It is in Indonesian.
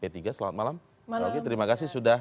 selamat malam selamat malam terima kasih sudah